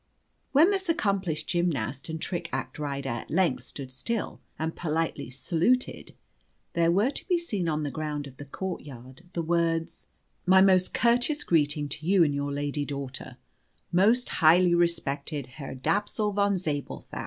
When this accomplished gymnast and trick act rider at length stood still, and politely saluted, there were to be seen on the ground of the courtyard the words, "My most courteous greeting to you and your lady daughter, most highly respected Herr Dapsul von Zabelthau."